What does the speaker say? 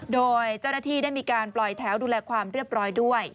โดยเจ้าหน้าที่ได้มีการปล่อยแถวดูแลความเรียบร้อยด้วย